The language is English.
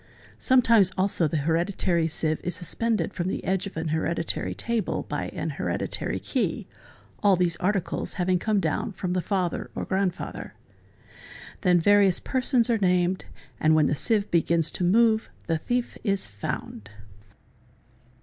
Sometimes also the hereditary sieve is suspended from the edge of an hereditary table by an hereditary key— all these articles having come down from the father or grandfather. — Then various persons are named and when the sieve begins to move the thief is found.